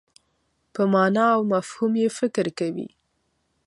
په مانا او مفهوم یې فکر کوي.